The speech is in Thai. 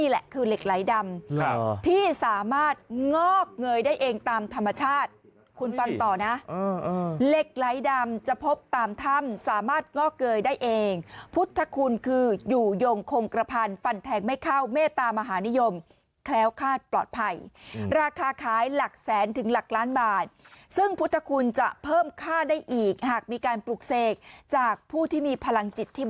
แหละคือเหล็กไหลดำที่สามารถงอกเงยได้เองตามธรรมชาติคุณฟังต่อนะเหล็กไหลดำจะพบตามถ้ำสามารถงอกเกยได้เองพุทธคุณคืออยู่ยงคงกระพันธ์ฟันแทงไม่เข้าเมตตามหานิยมแคล้วคาดปลอดภัยราคาขายหลักแสนถึงหลักล้านบาทซึ่งพุทธคุณจะเพิ่มค่าได้อีกหากมีการปลูกเสกจากผู้ที่มีพลังจิตที่